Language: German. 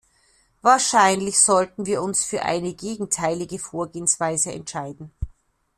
Wahrscheinlich sollten wir uns für eine gegenteilige Vorgehensweise entscheiden.